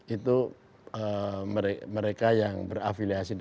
itu mereka yang berafiliasi di pdi